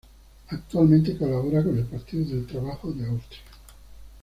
Actualmente colabora con el Partido del Trabajo de Austria.